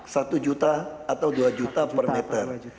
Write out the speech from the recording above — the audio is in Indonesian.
satu juta atau dua juta per meter